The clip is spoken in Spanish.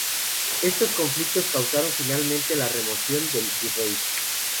Estos conflictos causaron finalmente la remoción del virrey.